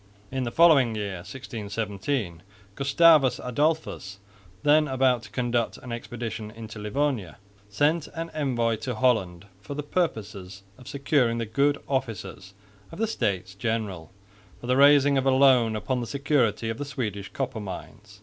In the following year, 1617, Gustavus Adolphus, then about to conduct an expedition into Livonia, sent an envoy to Holland for the purpose of securing the good offices of the States General for the raising of a loan upon the security of the Swedish copper mines.